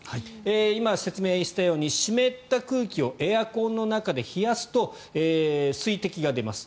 今、説明したように湿った空気をエアコンの中で冷やすと水滴が出ます。